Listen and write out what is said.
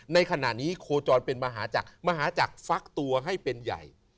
ในขณะนี้โคจรเป็นมหาจักรมหาจักรฟักตัวให้เป็นใหญ่